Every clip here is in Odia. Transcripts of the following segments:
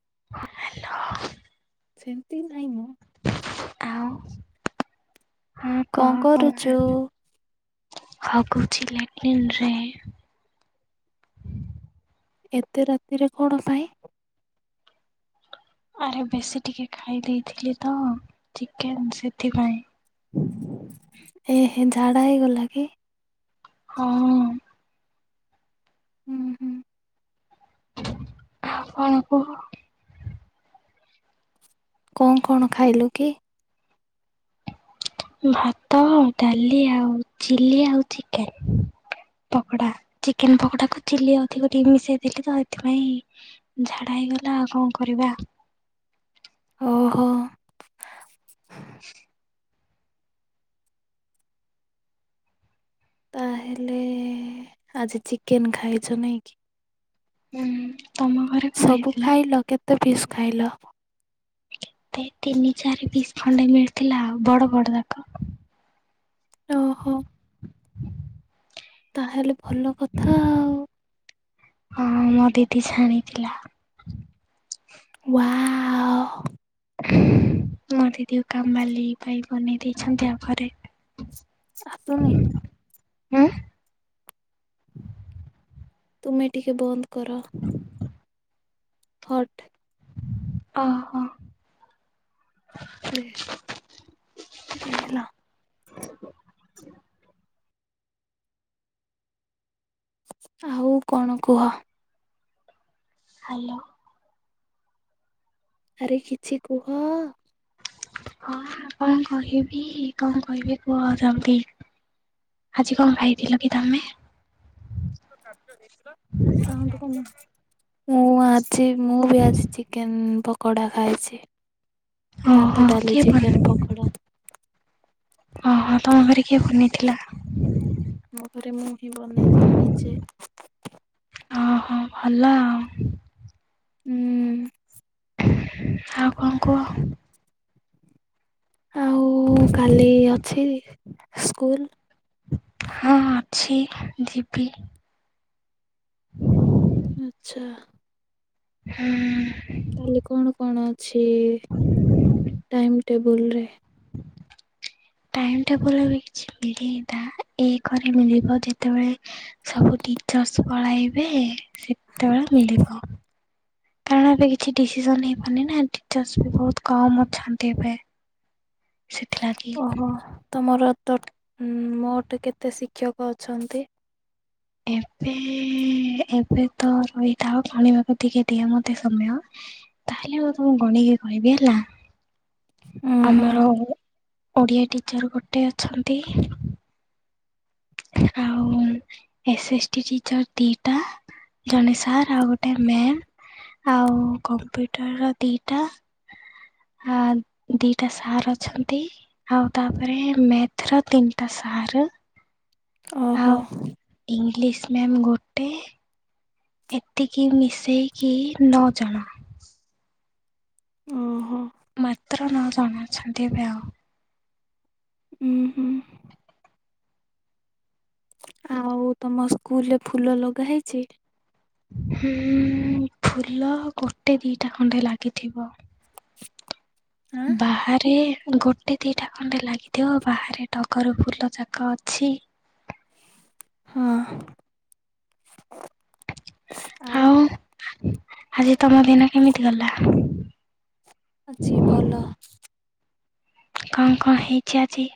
[inaudible] ସେମତି ନାହିଁ ମ। ହଁ ହଁ କଣ କହ କରୁଛୁ? [unintelligible] ହଗୁଛି ଲାଟିନ୍ ରେ। ଏତେ ରାତିରେ କଣ ପାଇଁ? ଆରେ ବେଶୀ ଟିକେ ଖାଇ ଦେଇଥିଲି ତ ଚିକେନ୍ ସେଥିପାଇଁ। ଏହେ ଝାଡା ହେଇଗଲା କି? ହଁ। ଉଁ ହୁଁ। ଆଉ କଣ କୁହ? କଣ କଣ ଖାଇଲୁ କି? ଭାତ ଡାଲି ଆଉ ଚିଲି ଆଉ ଚିକେନ୍। ପକଡା ଚିକେନ ପକଡା କୁ ଚିଲି ଅଧିକ ଟିକେ ମିଶେଇ ଦେଲି ତ ଏଥିପାଇଁ ଝାଡା ହେଇଗଲା ଆଉ କଣ କରିବା। ଓହୋ [inaudible] [inaudible] ତାହେଲେ ଆଜି ଚିକେନ୍ ଖାଇଛ ନାଇଁ କି? ହୁଁ ତମ ଘରେ କଣ ସବୁ ହେଇଥିଲା? ଖାଇଲ କେତେ ପିସ୍ ଖାଇଲ? କେତେ ତିନି ଚାରି ପିସ୍ ଖଣ୍ଡେ ମିଳିଥିଲା ଆଉ, ବଡ ବଡ ଯାକ। ଓହୋ। ତାହେଲେ ଭଲ କଥା ଆଉ ହଁ ମୋ ଦିଦି ଛାଣିଥିଲା। ୱାଓ! [inaudible] ମୋ ଦିଦି କୁ କାମ ବାଲି ପାଇଁ ବନେଇ ଦେଇଛନ୍ତି ଆଉ ଘରେ ଆତୁ ନି। ଉଁ? ତୁମେ ଟିକେ ବନ୍ଦ କର, ହଟ୍ ଅ ହଁ। ଦେ ଦେ ଲୋ। ଆଉ କଣ କୁହ? ହାଲୋ। ଆରେ କିଛି କୁହ। ହଁ କଣ କହିବି କଣ କହିବି କୁହ ଜଲଦି? ଆଜି କଣ ଖାଇଥିଲ କି ତମେ? [unintelligible] ମୁଁ ଆ ଚି ମୁଁ ବି ଆଜି ଚିକେନ ପକୋଡ଼ା ଖାଇଛି। ଓହୋ ଭାତ ଡାଲି କିଏ ଚିକେନ ପକୋଡ଼ା। ଓ ହଁ ତମ ଘରେ କିଏ ବନେଇଥିଲା। ମୋ ଘରେ ମୁଁ ହିଁ ବନେଇଥିଲି ନିଜେ। ଓହୋ ଭଲ ଆଉ। ହୁଁ। ଆଉ କଣ କୁହ। ଆଉ କାଲି ଅଛି ସ୍କୁଲ। ହଁ ଅଛି ଯିବି। ଆଚ୍ଛା। ହୁଁ। କାଲି କଣ କଣ ଅଛି ଟାଇମ୍ ଟେବୁଲରେ। ଟାଇମ ଟେବୁଲ ଏବେ କିଛି ମିଳିନତା। ଏକରେ ମିଳିବ ଯେତେବେଳେ ସବୁ ଟିଚର୍ସ ପଳାଇବେ। ସେତେବେଳେ ମିଳିବ। କାରଣ ଏବେ କିଛି ଡିସିସନ ନେଇପରୁନିନା ଟିଚର୍ସ ବି ବହୁତ କମ ଅଛନ୍ତି ଏବେ। ସେଥିଲାଗି। ଓହୋ ତମର। ତ ମୋଟ୍ କେତେ ଶିକ୍ଷକ ଅଛନ୍ତି? ଏବେ ଏବେ ତ ରହିଥାଅ ଭାଳିବାକୁ ଟିକେ ଦିଅ ମତେ ସମୟ। ତାହେଲେ ମୁଁ ତମକୁ ଗଣିକି କହିବି ହେଲା। ଉଁ ହୁଁ। ଓଡ଼ିଆ ଟିଚର ଗୋଟେ ଅଛନ୍ତି। ଆଉ ଏସ ଏସ ଟି ଟିଚର ଦିଟା ଜଣେ ସାର୍ ଆଉ ଗୋଟେ ଉଁ ମ୍ୟାମ ଆଉ କମ୍ପ୍ୟୁଟର ର ଦିଟା। ଆ ଦିଟା ସାର ଅଛନ୍ତି ଆଉ ତାପରେ ମେଥର ତିନିଟା ସା ସାର୍ ଓହୋ ଆଉ ଇଂଲିଶ ମ୍ୟାମ ଗୋଟେ। ଏତିକି ମିଶେଇକି ନ ଜଣ। ଓ ମାତ୍ର ନ ଜଣ ଅଛନ୍ତି ଏବେ ଆଉ। ହୁଁ ହୁଁ। ଆଉ ତମ ସ୍କୁଲ ରେ ଫୁଲ ଲଗା ହେଇଛି। ହୁଁ ଫୁଲ ଗୋଟେ ଦିଟା ଖଣ୍ଡେ ଲାଗିଥିବ। ଆଁ ବାହାରେ। ଗୋଟେ ଦିଟା ଖଣ୍ଡେ ଲାଗିଥିବ ବାହାରେ ଟଗର ଫୁଲଯାକ ଅଛି। ହଁ। ଆଉ। ଆଜି ତମ ଦିନ କେମିତି ଗଲା? ଅଛି ଭଲ। କଣ କଣ ହେଇଚି ଆଜି?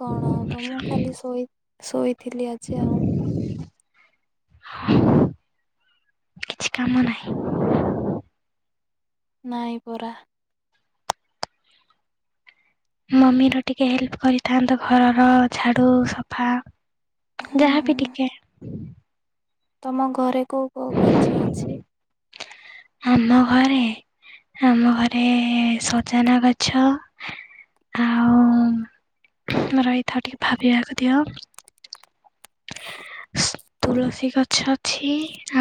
କଣ ହବ ମୁଁ ଖାଲି ଶୋଇ ଶୋଇଥିଲି ଆଜି ଆଉ। କିଛି କାମ ନାହିଁ। ନାଇପରା। ମମିର ଟିକେ ହେଲ୍ପ କରିଥାନ୍ତ ଘରର ଝାଡୁ ସଫା ହୁଁ ହୁଁ ଯାହାବି ଟିକେ ତମ ଘରେ କୋଉ କୋଉ ଗଛ ଅଛି? ଆମ ଘରେ ଆମ ଘରେ ସଜନା ଗଛ ଆଉ ତୁମେ ରହିଥାଏ ଟିକେ ଭାବିିବାକୁ ଦିଅ? ତୁଳସୀ ଗଛ। ଛି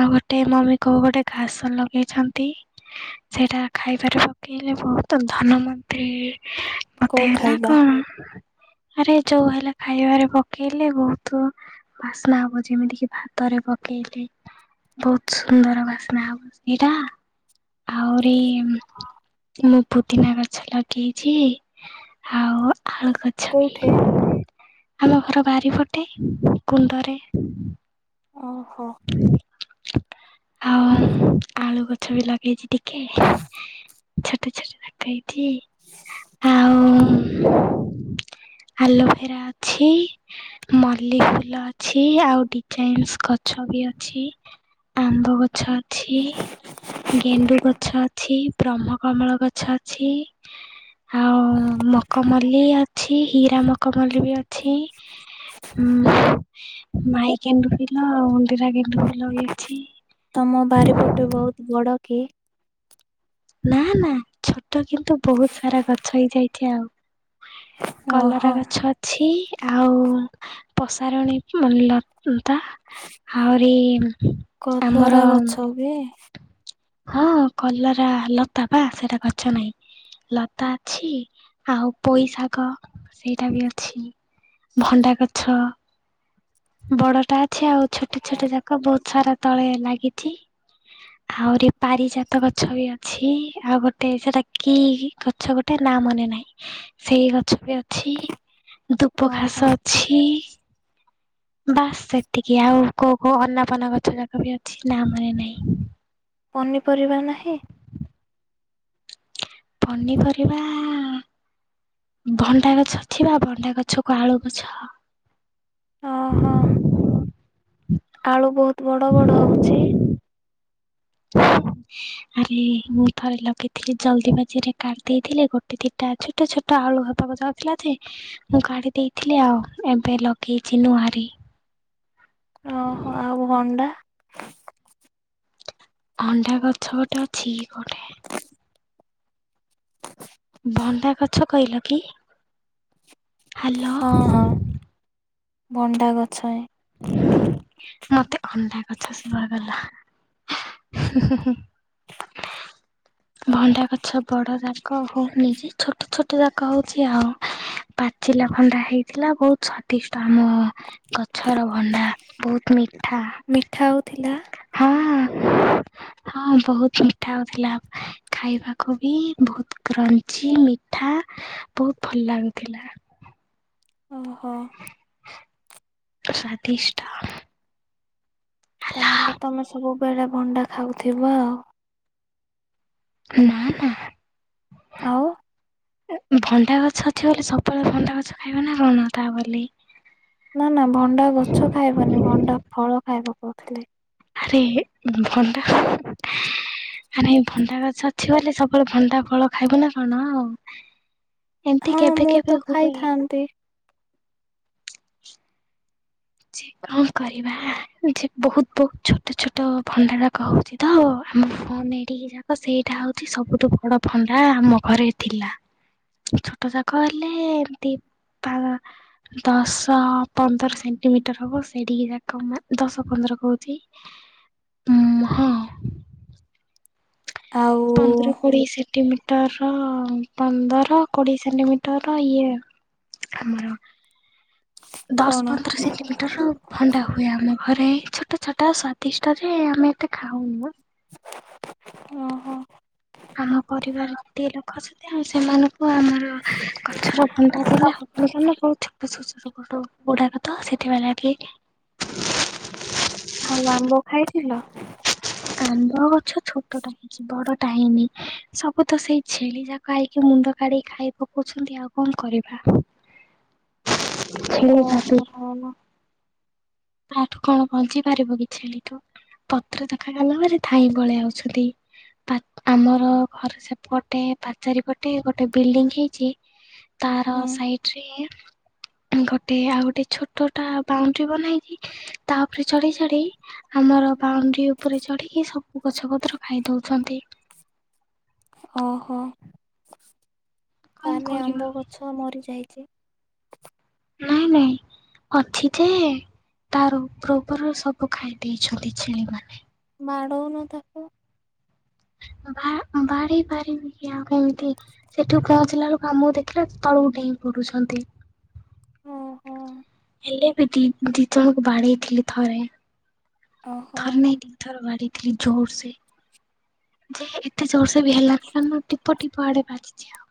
ଆଉ ଗୋଟେ ମମି କୋ ଗୋଟେ ଘାସ ଲଗେଇଛନ୍ତି ସେଇଟା ଖାଇପାର ପକେଇଲେ ବହୁତ ଧନମନ୍ଦ୍ରୀ କୋଉ ମତେ ହେଲା ଖାଇବା? କଣ? ଆରେ ଯୋଉ ହେଲା ଖାଇବାରେ ପକେଇଲେ ବହୁତ- ବାସ୍ନା ହବ ଯେମିତି କିି ଭାତରେ ପକେଇଲେ। ବହୁତ ସୁନ୍ଦର ବାସ୍ନା ଇରା ଆହୁରି ମୁଁ ପୁଦିନା ଗଛ ଲଗେଇଛି ଆଉ ଆଳୁ ଗଛ ବି କୋଉଠି ଆମ ଘର ବାରିପଟେ। କୁନ୍ଦୁରି ଓହୋ। ଆଉ ଆଳୁ ଗଛ ବି ଲଗେଇଛି ଟିକେ ଛୋଟ ଛୋଟ କ ହେଇଛିି ଓହୋ ଆଉ ଆଲୋବେରା ଅଛି। ମଲ୍ଲି ଫୁଲ ଅଛି ଆଉ ଡିଜାଇନସ ଗାଛ ଅଛି ଆମ୍ବ ଗଛ ବି ଗଛ ଅଛି ଗେଣ୍ଡୁ ଗଛ ଅଛି ବ୍ରହ୍ମ କମଳ ଗଛ ଅଛି। ଆଉ ମକମଲ୍ଲି ଅଛି ହୀରା ମକମଲ୍ଲି ବି ଅଛି। ହୁଁ ମାଇ କେ ରୁ ତମ ବାରିପଟେ ବହୁତ ବଡ଼ କି? ନା ନା ଛୋଟ କିନ୍ତୁ ବହୁତ ସାରା ଗଛ ହେଇଯାଇଛି ଆଉ। କଲରା ଓହୋ ଗଛ ଅଛି ଆଉ ପସାରଣୀ ହେଇ ହିଁ ଭଲ ତ ଆହୁରି କଲରା ଆମର ଗଛ ବି ହଁ କଲରା ଲତା ବା ସେଇଟା ଗଛ ନାହିଁ। ଲତା ଅଛି ଆଉ ପୋଇଶାଗ ସେଇଟା ବି ଅଛି। ଭଣ୍ଡା ଗଛ ବଡଟା ଅଛି ଆଉ ଛୋଟ ଛୋଟ ଯାକ ବହୁତ ସାରା ତଳେ ଲାଗିଛି ଆହୁରି ପାରିଜାତ ଗଛ ବି ଅଛି ଆଉ ଗୋଟେ ସେଟା କି ଗଛ ଗୋଟେ ନା ମନେ ନାହିଁ। ସେଇ ଗଛ ବି ଅଛି ଧୂବ ଓହୋ ଘାସ ଅଛି। ବାସ୍ ସେତିକି ଆଉ କୋଉ କୋଉ ଅନାପନା ଗଛ ଯାକ ବି ଅଛି ନାଁ ମନେ ନାଇଁ। ପନିପରିବା ନାହିଁ। ପନିପରିବା ଭଣ୍ଡା ଗଛ ଅଛି ବା ଭଣ୍ଡା ଗଛକୁ ଆଳୁ ଗଛ। ଓହୋ ଆଳୁ ବହୁତ ବଡ ବଡ ହଉଛି। [inaudible] ଆରେ ମୁଁ ଥରେ ଲଗେଇଥିଲି ଜଲ୍ଦି ବାଜିରେ କାଢ଼ି ଦେଇଥିଲେ ଗୋଟେ ଦିଟା ଛୋଟ ଛୋଟ ଗଟ ଆଳୁ ହେବାକୁ ଅଛି ମୁଁ କାଢି ଦେଇଥିଲି ଆଉ ଏବେ ଲଗେଇଛି ନୁଆରି ଓହୋ ଆଉ ଭଣ୍ଡା ଭଣ୍ଡା ଗଛ ଗୋଟେ ଅଛି ଗୋଟେ ଭଣ୍ଡା ଗଛ କହିଲ କି ହ୍ୟାଲୋ। ହଁ ହଁ ଭଣ୍ଡା ଗଛରେ ମତେ ଅଣ୍ଡା ଗଛ ଶୁଆଗଲା। ହୁଁ ହୁଁ ହୁଁ। ଭଣ୍ଡା ଗଛ ବଡ ଜାଗ ହଉନି ଯେ ଛୋଟ ଛୋଟ ଯାଗ ହଉଛି ଆଉ। ପାଚିଲା ଭଣ୍ଡା ହେଇଥିଲା ବହୁତ ସ୍ଵାଦିଷ୍ଟ ଆମ ଗ ଗଛର ଭଣ୍ଡା ବହୁତ ମିଠା ମିଠା ହଉଥିଲା ହଁ। [inaudible] ହଁ ବହୁତ ମିଠା ହଉଥିଲା। ଖାଇବାକୁ ବି ବହୁତ କ୍ରଞ୍ଚି ମିଠା ବହୁତ ଭଲ ଲାଗୁଥିଲା। ଓହୋ। ସ୍ୱାଦିଷ୍ଟ। ତାହେଲେ ତମେ ସବୁ ବେଳେ ଭଣ୍ଡା ଖାଉଥିବ ଆଉ। ନା ନା। ଆଉ ଭଣ୍ଡା ଗଛ ଅଛି ବୋଲି ସବୁବେଳେ ଭଣ୍ଡା ଗଛ ଖାଇବ ନା କଣ ତା ବୋଲି? ନା ନା ଭଣ୍ଡା ଗଛ ଖାଇବନି ଭଣ୍ଡା ଫଳ ଖାଇବ କହୁଥିଲେ। ଆରେ ଭଣ୍ଡା ଆରେ ଭୋଣ୍ଡା ଗଛ। କିଛି ବଲେ ସବୁବେଳେ ଭଣ୍ଡା ଫଳ ଖାଇବୁ ନା କଣ ଆଉ ଏମତି ହଁ କେବେ ମୁଁ କେବେ ତ ହୁଏ? ଖାଇଥାନ୍ତି ଯେ କଣ କରିବା ଯେ ବହୁତ ବହୁତ ଛୋଟ ଛୋଟ ଭଣ୍ଡାରା କହୁଛି ତ। ଆମ ଫନ ଏଠିକି ଯାକ ସେଇଟା ହଉଛି ସବୁଠୁ ବଡ ଫନଟା ଆମ ଘରେ ଥିଲା। ଛୋଟ ଯାକ ହେଲେ ଏମତି ତା ଦଶ ପନ୍ଦର ସେଣ୍ ମିଟର ହବ ସେଠିକି ଯାକ, ଦଶ ପନ୍ଦର କହୁଛି ହଁ ହଁ। ଆଉ ମିଟର ପନ୍ଦର କୋଡିଏ ସେଣ୍ଟିମିଟର ଇଏ ଆମର କଣ ଦଶ ପନ୍ଦର ସେଣ୍ଟିମିଟର ଭଣ୍ଡା ହୁଏ ଆମ ଘରେ ଛୋଟ ଛୋଟ ସ୍ଵାଦିଷ୍ଟ ରେ ଆମେ ଏତେ ଖାଉନୁ। ଓହୋ। ଆମ ପରିବାର ଏତେ ଲୋକ ଅଛନ୍ତି ଆ ସେମାନଙ୍କୁ ଆମର ଗଛର ଭଣ୍ଡା ଦେଲେ ହବାନ [unintelligible] ଗୁଡାକ। ତ ସେତବେଲା କି ଆଉ ଆମ୍ବ ଖାଇଥିଲ? ଆମ୍ବ ଗଛ ଛୋଟ ଟା ହେଇଛି ବଡ କାହିଁନି ସବୁ ତ ସେଇ ଛେଳି ଯାକ ଆଇକି ମୁଣ୍ଡ କାଢିକି ଖାଇ ପକଉଛନ୍ତି ଆଉ କଣ କରିବା [inaudible] ଓହୋ [inaudible] ତାଠୁ କଣ ପହଞ୍ଚି ପାରିବ କି ଛେଳିଠୁ ପତ୍ର ଦେଖା ଗଲା ପରେ ଥାଇଁ ଗଳେଇ ଆଉଛନ୍ତି। ପା ଆମର ଘରେ ସେପଟେ ପାଚାରୀ ପଟେ ଗୋଟେ ବିଲଡିଙ୍ଗ ହେଇଛି। ତାର ହୁଁ ସାଇଡରେ ଗୋଟେ ଆଉ ଗୋଟେ ଛୋଟଟା ବାଉଣ୍ଡ୍ରି ବନା ହେଇକି ତାପରେ ଚଢେଇ ଚଢେଇ ଆମର ବାଉଣ୍ଡି ଉପରେ ଚଢିକି ସବୁ ଗଛ ପତ୍ର ଖାଇ ଦଉଛନ୍ତି। ଓହୋ କଣ ତାହେଲେ କରିବା ଆମ୍ବ ଗଛ ମରିଯାଇ ଚି ନାଇଁ ନାଇଁ। ଅଛି ଯେ ତାର ଉପର ଉପର ସବୁ ଖାଇ ଦେଇଛନ୍ତି ଛେଳି ମାନେ। ମାଡ଼ଉନ ତାକୁ। ବା ବାଢେଇ ପାରିବି କି ଆଉ କେମିତି ସେଠୁ କ ଞ୍ଚିଲା ବେଳକୁ କ ଆାମକୁ ଦେଖିଲେ ତଳୁ ଡେଇଁ ପଡୁଛନ୍ତି। [inaudible] [inaudible] ଓହୋ ହେଲେ ବି ଦି ଦି ଜଣଙ୍କୁ ବାଡ଼େଇ ଥିଲି ଥରେ। ଓହୋ। ଥରେ ନାଇ ଦିଥର ବଡେଇ ଥିଲି ଜୋରସେ ଯେ ଏତେ ଜୋରସେ ବି ହେଲା ଟିପ ଟିପ ଆଡେ ବାଜିଛି ଆଉ।